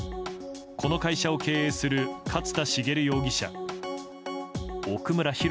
この会社を経営する勝田茂容疑者奥村博